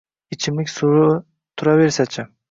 Ichimlik suvi turaversa-chi